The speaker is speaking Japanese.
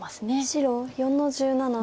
白４の十七ツギ。